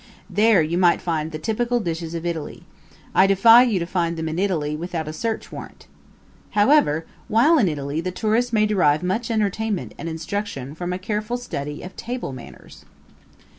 There you might find the typical dishes of Italy I defy you to find them in Italy without a search warrant. However, while in Italy the tourist may derive much entertainment and instruction from a careful study of table manners.